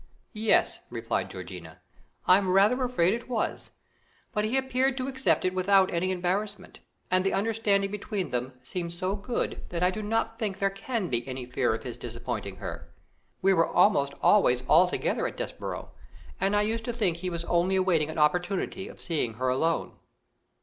"Yes," replied Georgiana, "I am rather afraid it was; but he appeared to accept it without any embarrassment, and the understanding between them seemed so good that I do not think there can be any fear of his disappointing her; we were almost always all together at Desborough, and I used to think he was only awaiting an opportunity of seeing her alone."